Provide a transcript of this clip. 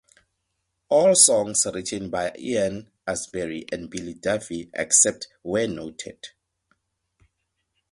All songs written by Ian Astbury and Billy Duffy, except where noted.